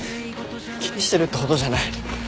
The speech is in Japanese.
気にしてるってほどじゃない。